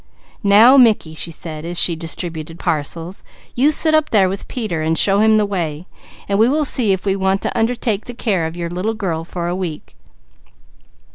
"Now Mickey," she said as she distributed parcels, "you sit up there with Peter and show him the way, and we will go see if we want to undertake the care of your little girl for a week."